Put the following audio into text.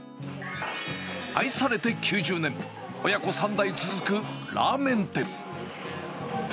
愛されて９０年、親子３代続くラーメン店。